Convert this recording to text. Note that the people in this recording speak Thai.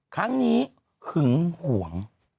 ครั้งนี้หึงห่วง